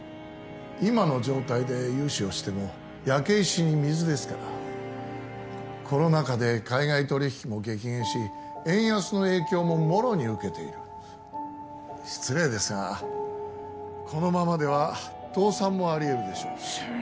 今の状態で融資をしても焼け石に水ですからコロナ禍で海外取引も激減し円安の影響ももろに受けている失礼ですがこのままでは倒産もありえるでしょうあ